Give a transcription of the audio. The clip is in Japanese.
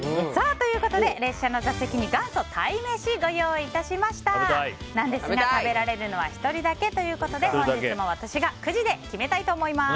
ということで、列車の座席に元祖鯛めしをご用意致したんですが食べられるのは１人だけということで本日も私がくじで決めたいと思います。